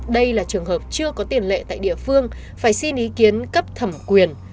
đây là trường hợp chưa có tiền lệ tại địa phương phải xin ý kiến cấp thẩm quyền